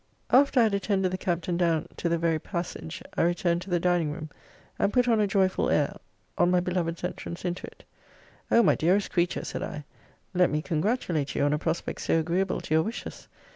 After I had attended the Captain down to the very passage, I returned to the dining room, and put on a joyful air, on my beloved's entrance into it O my dearest creature, said I, let me congratulate you on a prospect so agreeable to your wishes!